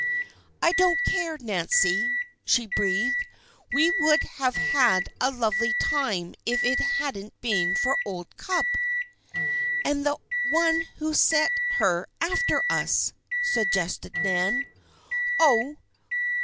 "I don't care, Nancy!" she breathed, "we would have had a lovely time if it hadn't been for old Cupp!" "And the one who set her after us," suggested Nan. "Oh!